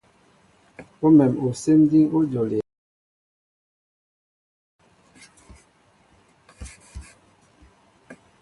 Awém osɛm diŋ a jolia.